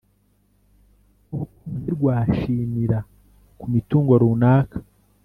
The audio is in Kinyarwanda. urukundo ntirwashinira kumitungo runaka